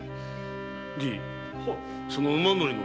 じぃその馬乗りの名は？